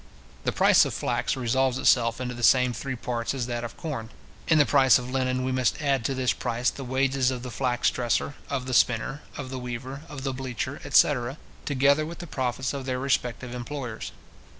The price of flax resolves itself into the same three parts as that of corn. In the price of linen we must add to this price the wages of the flax dresser, of the spinner, of the weaver, of the bleacher, etc. together with the profits of their respective employers.